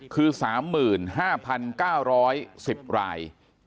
คือ๓๕๙๑๐ราย